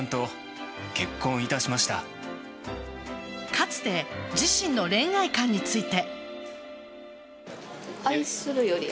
かつて、自身の恋愛観について。